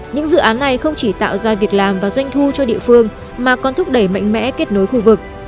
những dự án này không chỉ tạo ra việc làm và doanh thu cho địa phương mà còn thúc đẩy mạnh mẽ kết nối khu vực